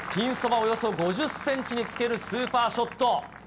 およそ５０センチにつけるスーパーショット。